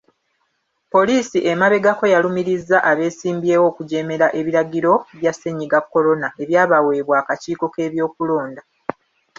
Poliisi emabegako yalumirizza abesimbyewo okujeemera ebiragiro bya Ssennyiga "Corona" ebyabaweebwa akakiiko k’ebyokulonda.